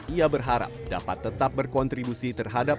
ia berharap dapat tetap berkontribusi terhadap